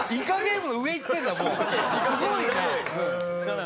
すごいな。